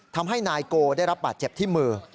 ทำให้นายโกได้รับบาดเจ็บที่มือ